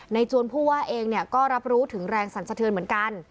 จวนผู้ว่าเองก็รับรู้ถึงแรงสรรสะเทือนเหมือนกัน